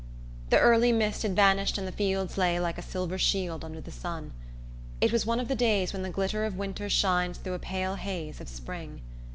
The early mist had vanished and the fields lay like a silver shield under the sun. It was one of the days when the glitter of winter shines through a pale haze of spring.